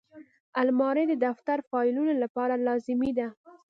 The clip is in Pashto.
الماري د دفتر فایلونو لپاره لازمي ده